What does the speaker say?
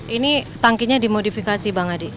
ini tangkinya dimodifikasi bang adi